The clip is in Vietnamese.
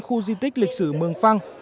khu di tích lịch sử mường phăng